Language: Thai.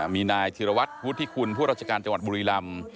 มีนายธิรวัตรวุฒิคุณผู้ราชการจังหวัดบุรีลำ